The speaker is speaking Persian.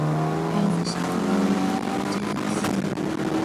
ارزش دلاری یک جنس